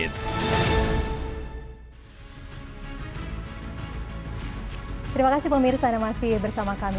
terima kasih pemirsa anda masih bersama kami